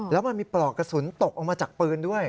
แล้วมันมีปลอกกระสุนตกออกมาจากปืนด้วย